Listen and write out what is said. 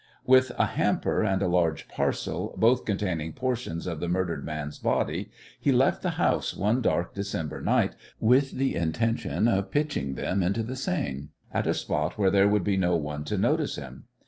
With a hamper and a large parcel, both containing portions of the murdered man's body, he left the house one dark December night, with the intention of pitching them into the Seine at a spot where there would be no one to notice him.